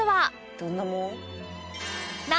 「どんなもん？」